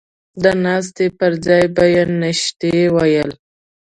د نسته پر ځاى به يې نيشتې ويل.